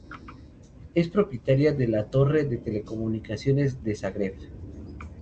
Es propietaria de la torre de telecomunicaciones de Zagreb.